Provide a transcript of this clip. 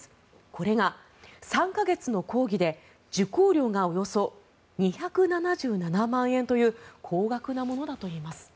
これが３か月の講義で受講料がおよそ２７７万円という高額なものだといいます。